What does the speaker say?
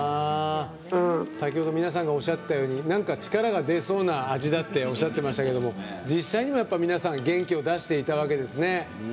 先ほど皆さんがおっしゃったようになんか力が出そうな味だっておっしゃってましたけど実際にも皆さん元気になっていたわけですね。